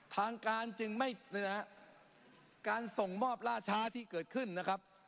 ทางการจึงไม่นะฮะการส่งมอบล่าช้าที่เกิดขึ้นนะครับ